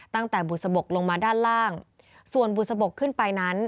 ตั้งแต่บุษบกลงมาด้านล่างส่วนบุษบกขึ้นไปนั้น